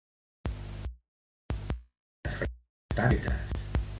Algunes frases estan mal fetes.